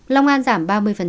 long an giảm ba mươi